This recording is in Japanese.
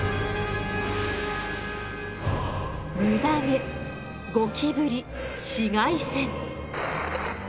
ムダ毛ゴキブリ紫外線。